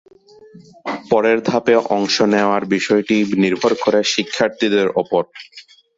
পরের ধাপে অংশ নেওয়ার বিষয়টি নির্ভর করে শিক্ষার্থীদের ওপর।